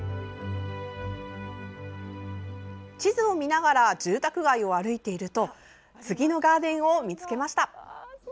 地図を見ながら住宅街を歩いていると次のガーデンを見つけました。